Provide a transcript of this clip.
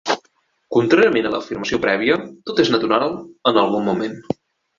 Contràriament a l'afirmació prèvia, tot és natural en algun moment.